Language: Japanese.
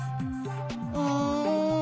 うん。